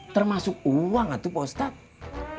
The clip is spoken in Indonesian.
termasuk uang ya tuh pak ustadz